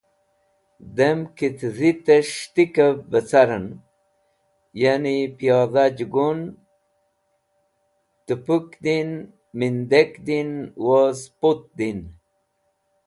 Dem Kitdhites̃h s̃hitikev be caren, ya’ni piyodha- jugun, tũpũkdin, mindetkdin woz putdin.